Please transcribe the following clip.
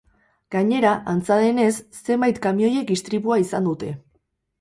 Gainera, antza denez, zenbait kamioiek istripua izan dute.